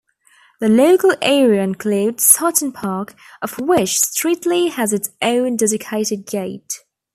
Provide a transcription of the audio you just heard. The local area includes Sutton Park of which Streetly has its own dedicated gate.